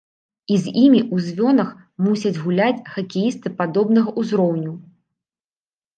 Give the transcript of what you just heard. І з імі ў звёнах мусяць гуляць хакеісты падобнага ўзроўню.